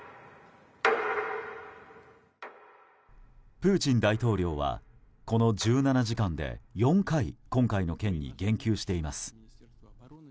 プーチン大統領はこの１７時間で４回今回の件に言及しています。